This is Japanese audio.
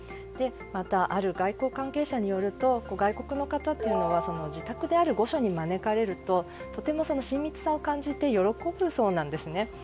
また、ある外交関係者によると外国の方というのは自宅である御所に招かれるととても親密さを感じて喜ぶそうなんですね。